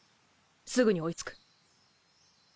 すぐに追いつく。